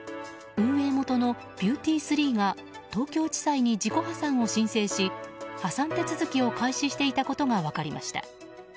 運営元のビューティースリーが東京地裁に自己破産を申請し破産手続きを開始していたことが分かりました。